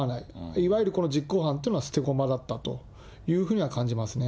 いわゆるこの実行犯というのは捨て駒だったというふうに感じますね。